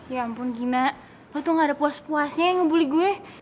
ya ampun gina lo tuh gak ada puas puasnya yang ngebully gue